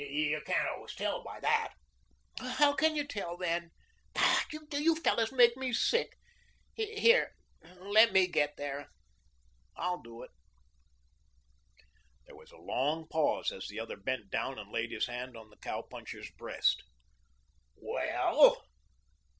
"You can't always tell by that." "How can you tell, then? Pshaw, you fellows make me sick. Here, let me get there. I'll do it." There was a long pause, as the other bent down and laid his hand on the cow puncher's breast. "Well?"